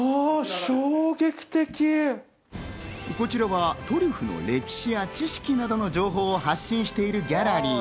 こちらはトリュフの歴史や知識などの情報を発信しているギャラリー。